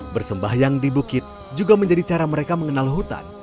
bersembahyang di bukit juga menjadi cara mereka mengenal hutan